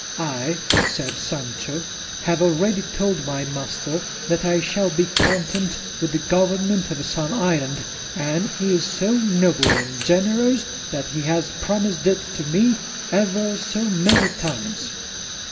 "I," said Sancho, "have already told my master that I shall be content with the government of some island, and he is so noble and generous that he has promised it to me ever so many times."